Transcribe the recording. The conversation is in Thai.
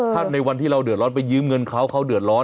ถ้าในวันที่เราเดือดร้อนไปยืมเงินเขาเขาเดือดร้อน